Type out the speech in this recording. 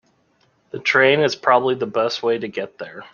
The train is probably the best way to get there.